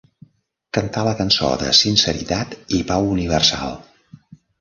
Cantar la cançó de sinceritat i pau universal.